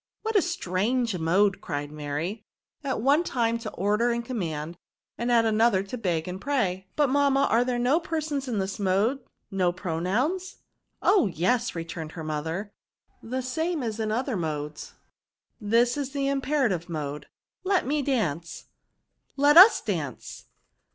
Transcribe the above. "" What a strange mode !'* cried Mary ;" at one time to order and command, and at another to beg and pray. But, mamma, are there no persons in this mode, no pro nouns?'* " Oh ! yes," returned her mother ;" the same as in the other modes. This is the im perative mode —'^ Let me dance. Let us dance.